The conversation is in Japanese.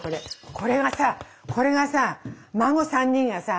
これがさこれがさ孫３人がさ